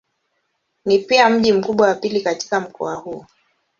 Ni pia mji mkubwa wa pili katika mkoa huu.